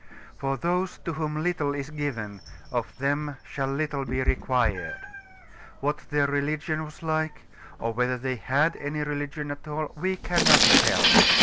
For those to whom little is given, of them shall little be required. What their religion was like, or whether they had any religion at all, we cannot tell.